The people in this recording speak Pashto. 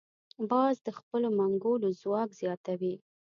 باز د خپلو منګولو ځواک زیاتوي